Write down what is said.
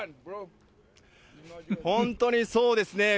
本当にそうですね。